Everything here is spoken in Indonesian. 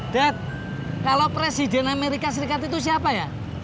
dead kalau presiden amerika serikat itu siapa ya